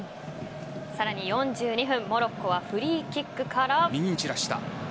さらに４２分モロッコはフリーキックから。